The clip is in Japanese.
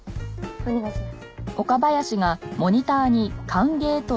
お願いします。